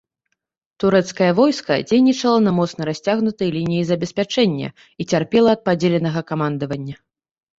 Турэцкае войска дзейнічала на моцна расцягнутай лініі забеспячэння і цярпела ад падзеленага камандавання.